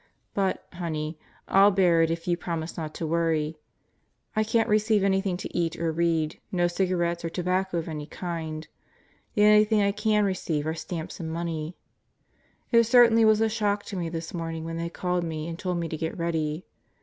But, Honey, I'll bear it if you promise not to worry. I can't receive anything to eat or read, no cigarettes or tobacco of any kind. The only things I can receive are stamps and money. It certainly was a shock to me this morning when they called me and told me to get ready.